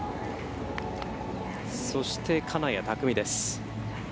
そして、金谷拓実です。